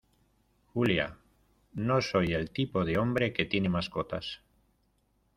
Julia, no soy el tipo de hombre que tiene mascotas.